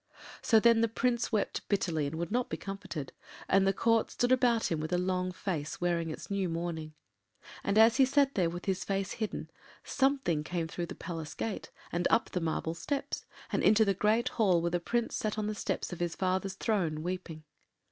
So then the Prince wept bitterly, and would not be comforted, and the Court stood about him with a long face, wearing its new mourning. And as he sat there with his face hidden Something came through the Palace gate and up the marble stairs and into the great hall where the Prince sat on the steps of his father’s throne weeping.